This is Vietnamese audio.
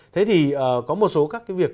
thế thì có một số các cái việc